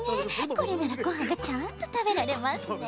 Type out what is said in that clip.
これならごはんがちゃんとたべられますね。